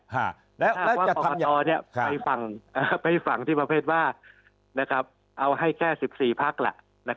ถ้าหากว่ากรกตไปฝั่งที่ประเภทว่าเอาให้แค่๑๔พักล่ะ